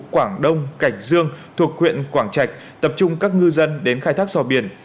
quảng đông cảnh dương thuộc huyện quảng trạch tập trung các ngư dân đến khai thác sò biển